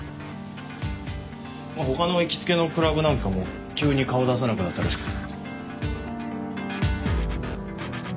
他の行きつけのクラブなんかも急に顔を出さなくなったらしくて。